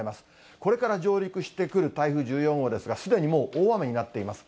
これから上陸してくる台風１４号ですが、すでにもう大雨になっています。